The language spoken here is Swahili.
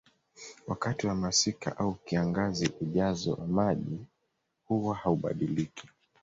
Wakati wa masika au kiangazi ujazo wa maji huwa haubadiliki